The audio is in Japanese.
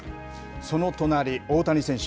その隣、大谷選手。